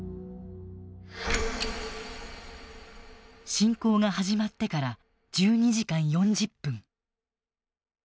侵攻が始まってから１２時間４０分。